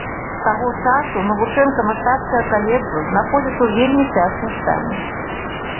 З таго часу навучэнка мастацкага каледжу знаходзіцца ў вельмі цяжкім стане.